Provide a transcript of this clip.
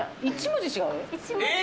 １文字違う？